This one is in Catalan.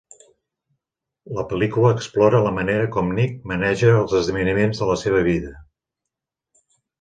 La pel·lícula explora la manera com Nik maneja els esdeveniments de la seva vida.